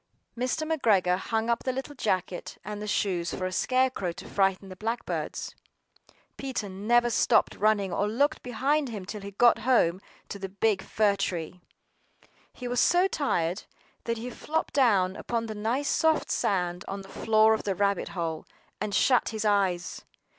MR. McGREGOR hung up the little jacket and the shoes for a scare crow to frighten the blackbirds. PETER never stopped running or looked behind him till he got home to the big fir tree. He was so tired that he flopped down upon the nice soft sand on the floor of the rabbit hole, and shut his eyes.